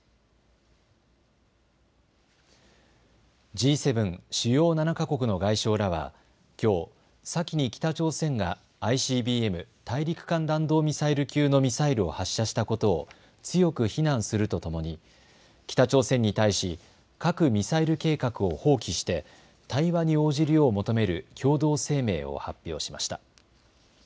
Ｇ７・主要７か国の外相らはきょう、先に北朝鮮がＩＣＢＭ・大陸間弾道ミサイル級のミサイルを発射したことを強く非難するとともに北朝鮮に対し核・ミサイル計画を放棄して対話に応じるよう求める共同声明を発表しました。